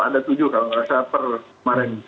ada tujuh kalau merasa permarin